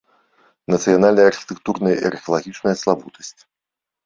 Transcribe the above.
Нацыянальная архітэктурная і археалагічная славутасць.